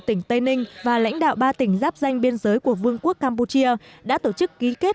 tỉnh tây ninh và lãnh đạo ba tỉnh giáp danh biên giới của vương quốc campuchia đã tổ chức ký kết